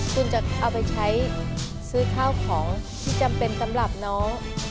คุณจะเอาไปใช้ซื้อข้าวของที่จำเป็นสำหรับน้อง